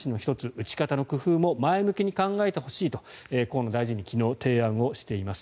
打ち方の工夫も前向きに考えてほしいと河野大臣に昨日提案をしています。